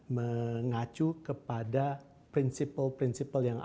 mengacu kepada prinsipal prinsipal yang ada